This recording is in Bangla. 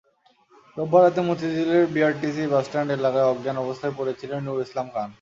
রোববার রাতে মতিঝিলের বিআরটিসি বাসস্ট্যান্ড এলাকায় অজ্ঞান অবস্থায় পড়ে ছিলেন নূর ইসলাম খান।